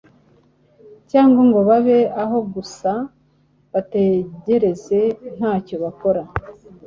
cyangwa ngo babe aho gusa bategereze ntacyo bakora.